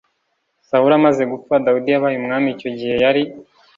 sawuli amaze gupfa dawidi yabaye umwami icyo gihe yari